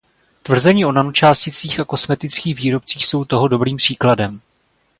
Tvrzení o nanočásticích a kosmetických výrobcích jsou toho dobrým příkladem.